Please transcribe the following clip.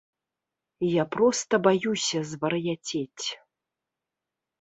Я проста баюся звар'яцець.